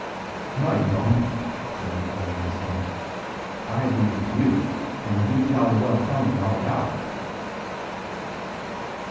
"No, you don't," said the other with a snort. "I leave it to you; and you jolly well tell me all about it."